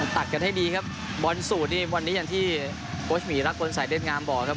ตัดกันให้ดีครับบอลสูตรนี่วันนี้อย่างที่โค้ชหมีรักพลสายเด็ดงามบอกครับ